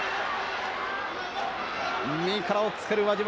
右から押っつける輪島。